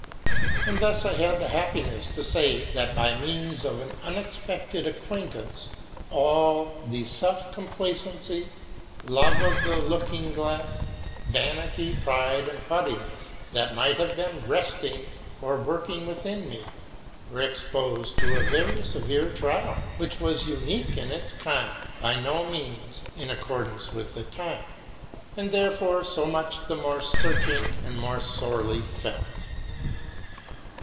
And thus I had the happiness to say, that, by means of an unexpected acquaintance, all the self complacency, love of the looking glass, vanity, pride, and haughtiness that might have been resting or working within me, were exposed to a very severe trial, which was unique in its kind, by no means in accordance with the time, and therefore so much the more searching and more sorely felt.